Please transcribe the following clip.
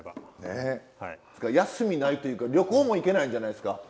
休みないというか旅行も行けないんじゃないですか？